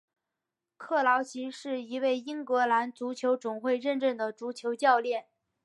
克劳奇是一位英格兰足球总会认证的足球教练。